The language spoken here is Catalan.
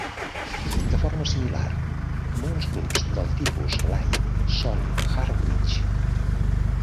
De forma similar, molts grups del tipus Lie són Hurwitz.